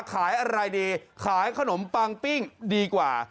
ขายอะไรดีขายขนมปังปิ้งดีกว่า